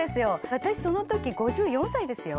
私その時５４歳ですよ。